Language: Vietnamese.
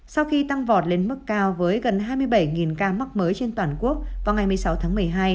sau khi tăng vọt lên mức cao với gần hai mươi bảy ca mắc mới trên toàn quốc vào ngày một mươi sáu tháng một mươi hai